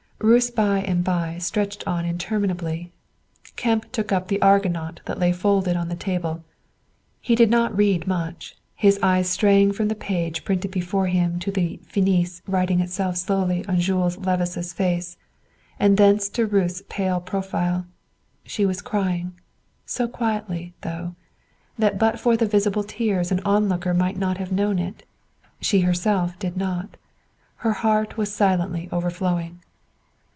Ruth's by and by stretched on interminably. Kemp took up the "Argonaut" that lay folded on the table. He did not read much, his eyes straying from the printed page before him to the "finis" writing itself slowly on Jules Levice's face, and thence to Ruth's pale profile; she was crying, so quietly, though, that but for the visible tears an onlooker might not have known it; she herself did not, her heart was silently overflowing.